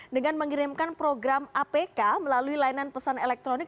dengan mengirimkan program apk melalui layanan pesan elektronik